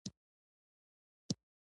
درې ډالره او پنځه نوي سنټه